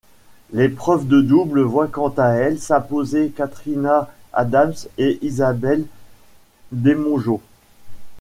L'épreuve de double voit quant à elle s'imposer Katrina Adams et Isabelle Demongeot.